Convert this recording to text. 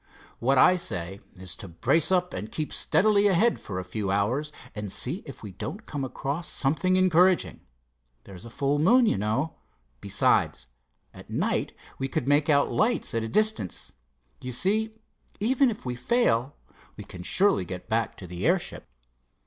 What I say is to brace up and keep steadily ahead for a few hours, and see if we don't come across something encouraging. There's a full moon, you know. Besides, at night we could make out lights at a distance. You see, even if we fail, we can surely get back to the airship."